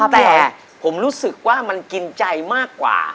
แต่ผมรู้สึกว่ามันกินใจมากกว่า